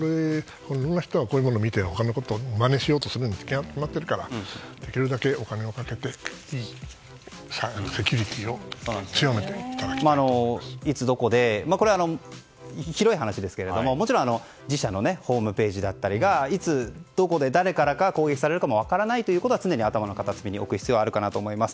いろんな人がこういうものを見てまねしようとするに決まってるからできるだけお金をかけてセキュリティーをこれは広い話ですが自社のホームページだったりがいつどこで誰からか攻撃されるか分からないというのを常に頭の片隅に置く必要があるかと思います。